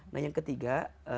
nah yang ketiga